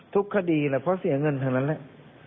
ทุกคดีแหละเพราะเสียเงินทั้งนั้นแหละ